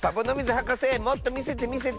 はかせもっとみせてみせて。